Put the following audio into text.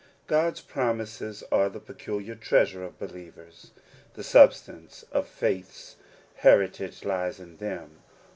JOD'S promises are the peculiar treasure of believers : the substance of faith's heritage lies in them.